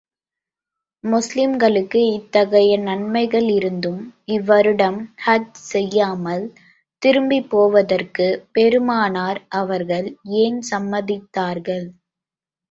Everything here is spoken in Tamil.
முஸ்லிம்களுக்கு இத்தகைய நன்மைகள் இருந்தும், இவ்வருடம் ஹஜ் செய்யாமல் திரும்பிப் போவதற்குப் பெருமானார் அவர்கள் ஏன் சம்மதித்தார்கள்?